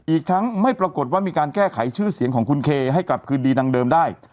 อีกทั้งไม่ปรากฏว่ามีการแก้ไขชื่อเสียงของคุณเคให้กลับคืนดีดังเดิมได้